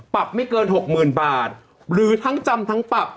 ปรับไม่เกิน๖๐๐๐บาทหรือทั้งจำทั้งปรับ